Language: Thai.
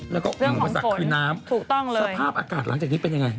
แล้วก็อุปสรรคคือน้ำถูกต้องเลยสภาพอากาศหลังจากนี้เป็นยังไง